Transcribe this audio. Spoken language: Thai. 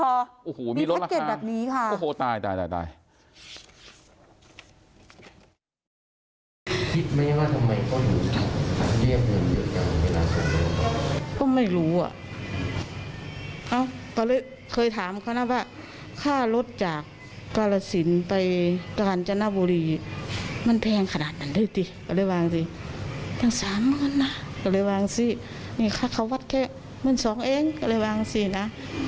โอ้โฮมีรถลักษณ์โอ้โฮตายมีรถลักษณ์แบบนี้ค่ะ